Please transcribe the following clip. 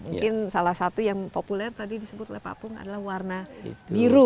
mungkin salah satu yang populer tadi disebut oleh pak pung adalah warna biru